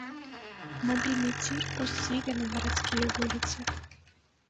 Мабільны цір пусцілі на гарадскія вуліцы.